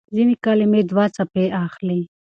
ځينې کلمې دوه څپې اخلي.